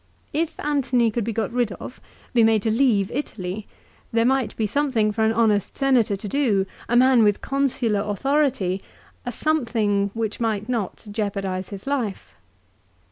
If Antony could be got rid of, be made to leave Italy, there might be something for an honest Senator to do, a man with Consular authority, a something which might not jeopardise his life.